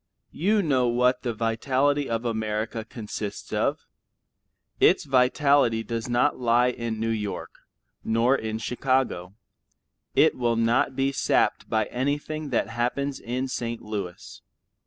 You know what the vitality of America consists of. Its vitality does not lie in New York, nor in Chicago; it will not be sapped by anything that happens in St. Louis.